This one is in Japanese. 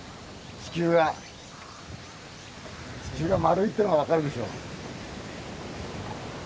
地球が丸いってのが分かるでしょう。